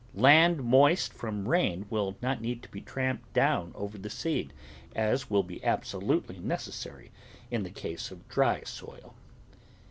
Land moist from rain will not need to be tramped down over the seed, as will be absolutely necessary in the case of dry soil.